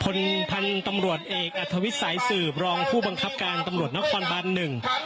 พันธุ์ตำรวจเอกอัธวิทย์สายสืบรองผู้บังคับการตำรวจนครบานหนึ่ง